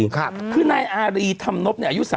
ใช่คือนายอารีธรรมนฟเนี่ยอายุ๓๖ปี